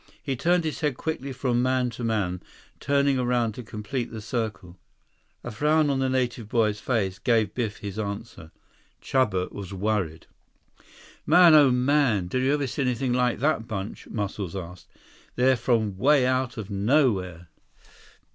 He turned his head quickly from man to man, turning around to complete the circle. A frown on the native boy's face gave Biff his answer. Chuba was worried. "Man, oh, man! Did you ever see anything like that bunch?" Muscles asked. "They're from way out of nowhere."